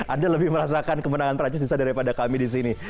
anda lebih merasakan kemenangan perancis daripada kami disini